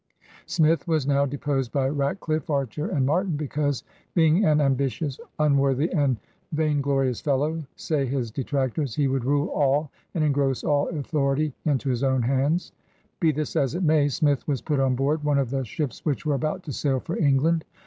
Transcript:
Smith was now deposed by Ratcliff e. Archer, and THE SEA ADVENTURE 68 Martin, because, *' being an ambityous, onworthy, and vayneglorious fellowe/* say his detractors, ^'he wolde rule all and ingrose all authority into his own hands/' Be this as it may. Smith was put on board one of the ships which were about to sail for England.